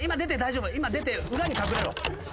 今出て裏に隠れろ。